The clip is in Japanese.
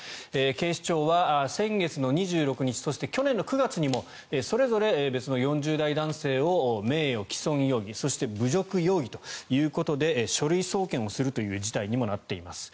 警視庁は先月の２６日そして、去年の９月にもそれぞれ別の４０代男性を名誉毀損容疑そして侮辱容疑ということで書類送検をするという事態にもなっています。